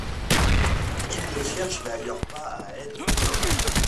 Il ne cherche d’ailleurs pas à être Romain.